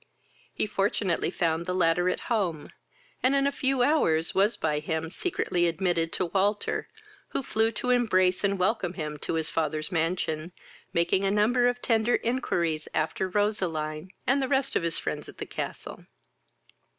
He fortunately found the latter at home, and in a few hours was by him secretly admitted to Walter, who flew to embrace and welcome him to his father's mansion, making a number of tender inquiries after Roseline and the rest of his friends at the castle.